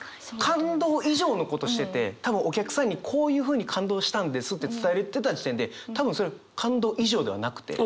感動以上のことしてて多分お客さんにこういうふうに感動したんですって伝えてた時点で多分それ感動以上ではなくて。